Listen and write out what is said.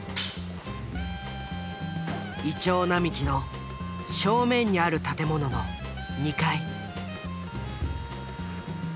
銀杏並木の正面にある建物の２階。